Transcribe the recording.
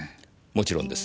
もちろんです。